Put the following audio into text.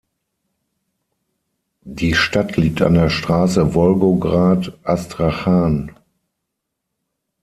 Die Stadt liegt an der Straße Wolgograd–Astrachan.